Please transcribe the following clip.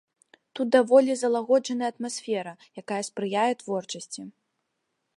Тут даволі залагоджаная атмасфера, якая спрыяе творчасці.